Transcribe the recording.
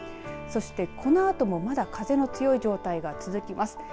そして、このあとも風の強い状態が続きます。